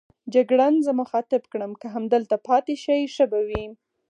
جګړن زه مخاطب کړم: که همدلته پاتې شئ ښه به وي.